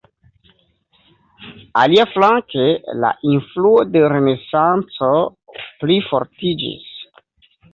Aliaflanke la influo de renesanco plifortiĝis.